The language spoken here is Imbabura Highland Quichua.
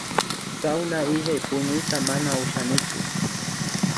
Sawna illak puñuyta mana ushanichu